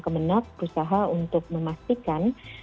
kemenang berusaha untuk memastikan